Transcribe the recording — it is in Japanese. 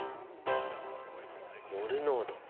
モル濃度？